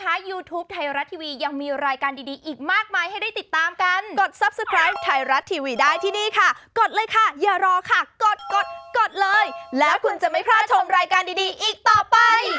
อะไรนะครับมาฟังกันครับ